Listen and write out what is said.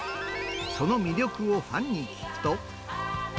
その魅力をファンに聞くと。